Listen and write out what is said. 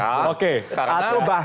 oh betul boleh